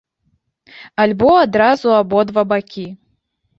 Альбо адразу абодва бакі.